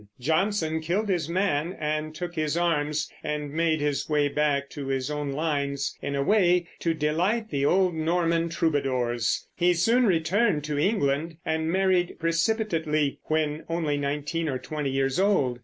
Jonson killed his man, and took his arms, and made his way back to his own lines in a way to delight the old Norman troubadours. He soon returned to England, and married precipitately when only nineteen or twenty years old.